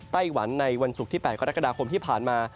ไต้หวันในวันศุกร์ที่๘กรกฎาคมที่ผ่านมา